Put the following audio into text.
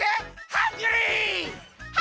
ハングリー！